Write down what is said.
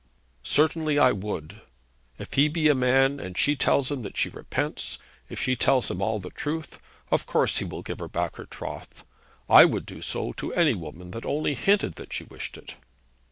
'Certainly I would. If he be a man, and she tells him that she repents, if she tells him all the truth, of course he will give her back her troth. I would do so to any woman that only hinted that she wished it.'